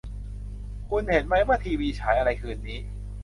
คุณเห็นมั้ยว่าทีวีฉายอะไรคืนนี้